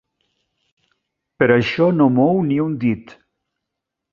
Per això no mou ni un dit.